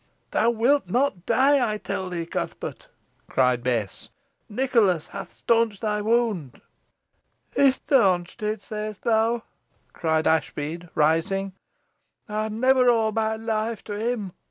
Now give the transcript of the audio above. "Thou wilt not die, I tell thee, Cuthbert," cried Bess; "Nicholas hath staunched thy wound." "He stawncht it, seyst to?" cried Ashbead, raising. "Ey'st never owe meh loife to him."